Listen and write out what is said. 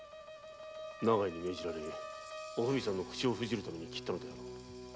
長井に命じられておふみさんの口を封じるために斬ったのだろう。